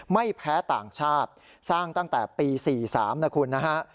ไม่แพ้ต่างชาติสร้างตั้งแต่ปี๔๓นะคุณนะฮะ